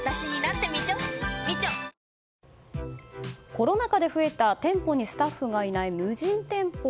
コロナ禍で増えた店舗にスタッフがいない無人店舗。